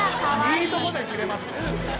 いいとこで切れますね。